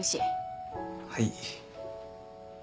はい。